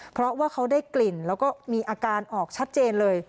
เพราะว่าเขาได้กลิ่นแล้วก็มีอาการออกชัดเจนเลย